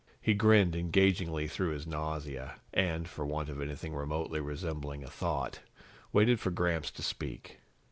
He grinned engagingly through his nausea and, for want of anything remotely resembling a thought, waited for Gramps to speak.